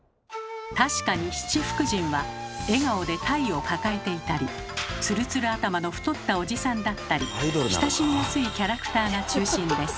確かに七福神は笑顔でタイを抱えていたりつるつる頭の太ったおじさんだったり親しみやすいキャラクターが中心です。